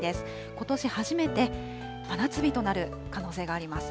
ことし初めて真夏日となる可能性があります。